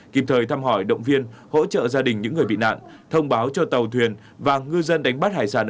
kịp thời thăm hỏi động viên hỗ trợ gia đình những người bị nạn thông báo cho tàu thuyền và ngư dân đánh bắt hải sản ở